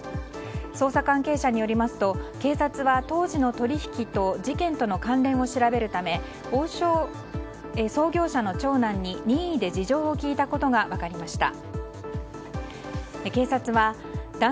捜査関係者によりますと警察は当時の取引と事件との関連を調べるため王将創業者の長男に任意で事情を聴いたことが分かりました。